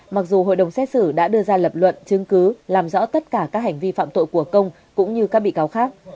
mặc dù hội đồng xét xử đã đưa ra lập luận chứng cứ làm rõ tất cả các hành vi phạm tội của công cũng như các bị cáo khác